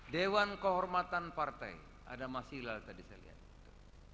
dewan kehormatan partai ada mas hilal tadi saya lihat itu